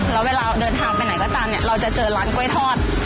แล้วเวลาเดินทางไปไหนก็ตามเนี่ยเราจะเจอร้านกล้วยทอด